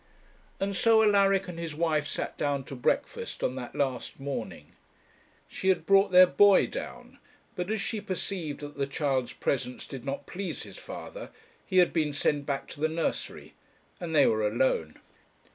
And so Alaric and his wife sat down to breakfast on that last morning. She had brought their boy down; but as she perceived that the child's presence did not please his father, he had been sent back to the nursery, and they were alone.